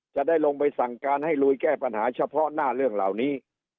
จะได้ลงไปสั่งการให้ลุยแก้ปัญหาเฉพาะหน้าเรื่องเหล่านี้